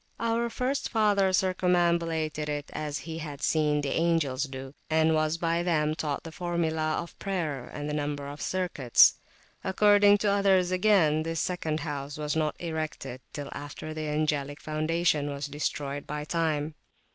Our First Father circumambulated it as he had seen the angels do, and was by them taught the formula of prayer and the number of circuits. According to others, again, this second house was not erected till after the Angelic Foundation was destroyed by time.